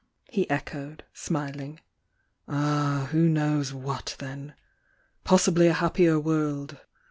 he echoed, smiling. "Ah, who knows what then! Possibly a happier world!